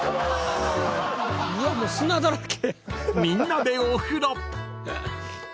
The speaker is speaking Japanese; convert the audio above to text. ［みんなでお風呂］